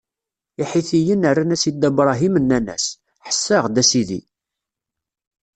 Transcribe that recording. Iḥitiyen rran-as i Dda Bṛahim, nnan-as: Ḥess-aɣ-d, a sidi!